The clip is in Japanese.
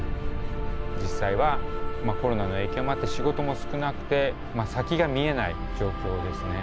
実際はコロナの影響もあって仕事も少なくて先が見えない状況ですね。